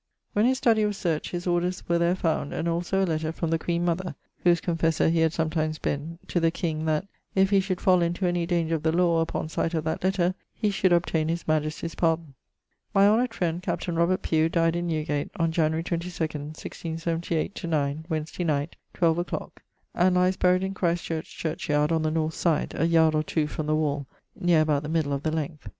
When his studie was searcht, his orders were there found, and also a lettre from the Queen mother, whose confessor he had sometimes been, to the king, that, if he should fall into any danger of the lawe, upon sight of that lettre he should obtaine his majestie's pardon. My honoured friend, captain Robert Pugh, dyed in Newgate, on January 22 <1678/9>, Wednesday night, 12 a clock; and lyes buryed in Christ Church churchyard on the north side, a yard or two from the wall, neer about the middle of the length.